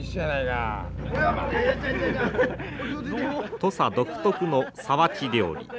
土佐独特のさわち料理。